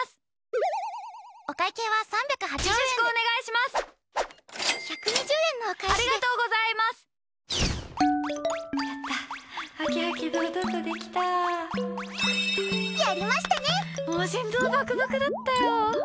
もう、心臓バクバクだったよ。